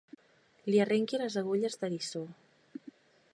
Li arrenqui les agulles d'eriçó.